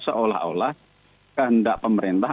seolah olah kehendak pemerintah